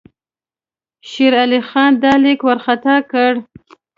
شېر علي خان دا لیک وارخطا کړ.